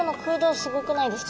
すごくないですか？